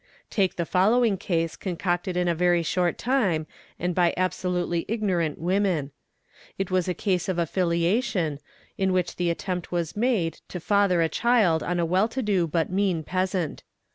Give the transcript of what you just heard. Take the following case concocted in a very short time and by abso lutely ignorant women. It was a case of affiliation, in which the attempt was made to father a child on a well to do but mean peasant.